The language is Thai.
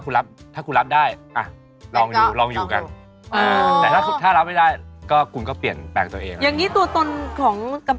กลับมาคุยกับผู้ใจในฝันของเราคนนี้ต่อนะคะ